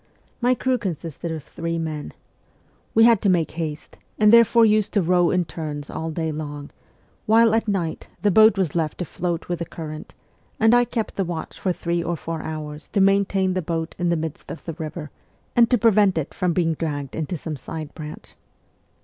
My crew consisted of three men. We had to SIBERIA 221 make haste, and therefore used to row in turns all day long, while at night the boat was left to float with the current, and I kept the watch for three or four hours to maintain the boat in the midst of the river and to prevent it from being dragged into some side branch.